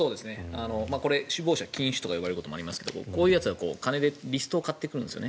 これ、首謀者金主と呼ばれることもありますがこういうやつは金でリストを買ってくるんですよね。